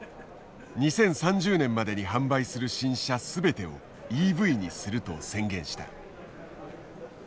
２０３０年までに販売する新車全てをＥＶにすると宣言した。